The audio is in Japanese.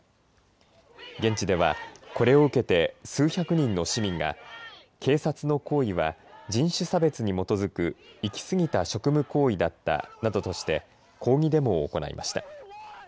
現地ではこれを受けて数百人の市民が警察の行為は人種差別に基づく行きすぎた職務行為だったなどとして抗議デモを行いました。